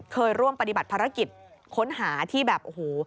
เคยร่วมปฏิบัติภารกิจค้นหาที่แบบโอ้โห